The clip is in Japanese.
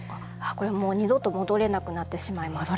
これも二度と戻れなくなってしまいます。